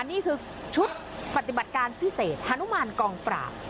นี่คือชุดปฏิบัติการพิเศษฮานุมานกองปราบ